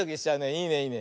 いいねいいね。